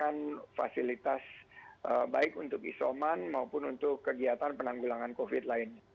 dan juga untuk fasilitas baik untuk isoman maupun untuk kegiatan penanggulangan covid lainnya